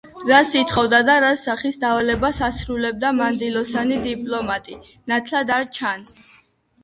რას ითხოვდა და რა სახის დავალებას ასრულებდა მანდილოსანი დიპლომატი, ნათლად არ ჩანს.